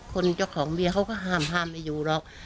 คนเจ้าของเบียร์เขาก็ห้ามไม่อยู่หรอก